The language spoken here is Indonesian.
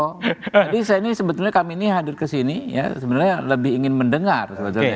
jadi saya ini sebetulnya kami ini hadir ke sini ya sebenarnya lebih ingin mendengar